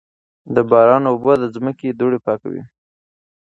د باران اوبه د ځمکې دوړې پاکوي.